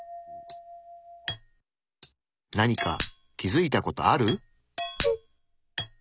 何か気づいた事ある？